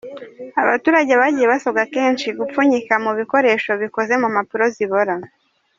Abaturage bagiye basabwa kenshi gupfunyika mu bikoresho bikoze mumpapuro zibora.